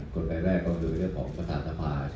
กฎไกลแรกก็คือต้องทำกฎภาพ